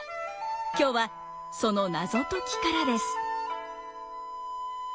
今日はその謎解きからです。